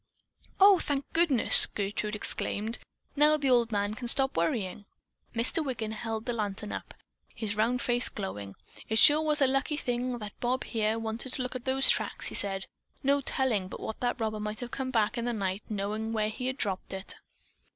"O, thank goodness!" Gertrude exclaimed. "Now the old man can stop worrying." Mr. Wiggin held the lantern up, his round face glowing. "It sure was a lucky thing that Bob, here, wanted to look at those tracks," he said. "No telling but what that robber might have come back in the night, knowing where he had dropped it."